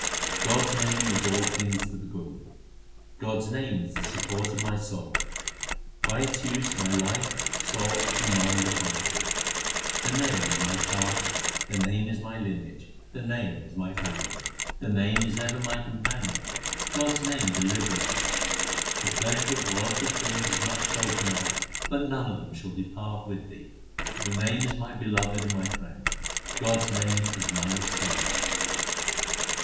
God s name is all things to the Guru : God s name is the support of my soul ; By its use my life, soul, and mind are comforted. The Name is my caste, the Name is my lineage, the Name is my family ; 384 THE SIKH RELIGION The Name is ever my companion ; God s name delivereth me. The pleasure of worldly things is much spoken of, but none of them shall depart with thee. The Name is my beloved and my friend ; God s name is Nanak s storehouse.